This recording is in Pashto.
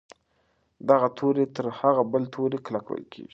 دغه توری تر هغه بل توري کلک ویل کیږي.